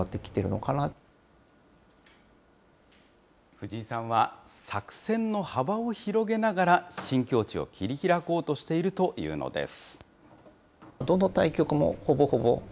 藤井さんは作戦の幅を広げながら、新境地を切り開こうとしているというのです。